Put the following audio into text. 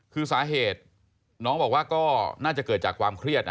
คือสาเหตุน้องบอกว่าก็น่าจะเกิดจากความเครียดนะ